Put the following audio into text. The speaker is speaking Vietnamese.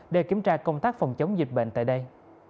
để kiểm tra công tác phòng chống dịch bệnh tại đây